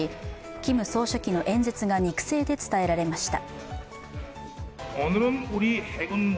キム総書記の演説が肉声で伝えられました。